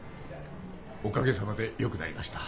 おかげさまで良くなりました。